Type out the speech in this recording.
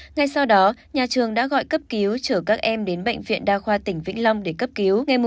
ngay sau đó nhà trường đã gọi cấp cứu chở các em đến bệnh viện đa khoa tỉnh vĩnh long để cấp cứu